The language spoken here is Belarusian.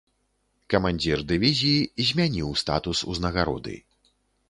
Камандзір дывізіі змяніў статус ўзнагароды.